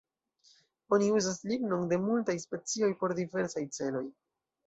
Oni uzas lignon de multaj specioj por diversaj celoj.